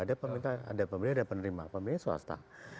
ada pembeli ada penerima pembeli swasta